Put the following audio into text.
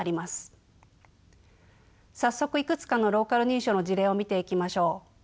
早速いくつかのローカル認証の事例を見ていきましょう。